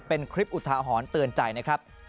เป็นคลิปอุทาหรณ์เตือนใจนะครับ